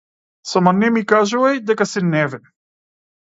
Само не ми кажувај дека си невин.